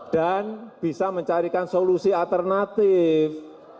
dan bisa mencarikan solusi alternatif